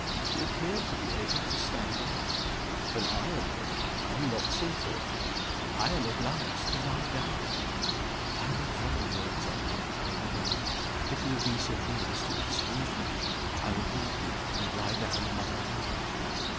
"You appear to be able to stand up. When I am ill, I am not so fortunate. I am obliged to lie down."' "I will follow your example, Lady Lundie. If you will be so good as to excuse me, I will leave you, and lie down in my own room."